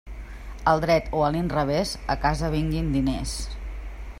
Al dret o a l'inrevés, a casa vinguin diners.